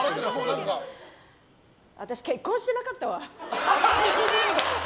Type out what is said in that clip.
私、結婚してなかったわ。